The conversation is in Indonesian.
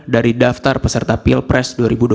dari daftar peserta pilpres dua ribu dua puluh